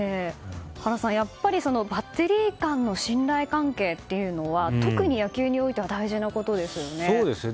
原さん、やっぱりバッテリー間の信頼関係というのは特に野球においては大事なことですよね。